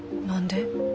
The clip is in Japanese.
何で？